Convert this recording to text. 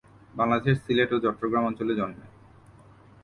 বাংলাদেশের সিলেট ও চট্টগ্রাম অঞ্চলে জন্মে।